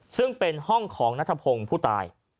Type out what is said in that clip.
ซึ่งเป็นห้องของนัทพงศ์ผู้ตาย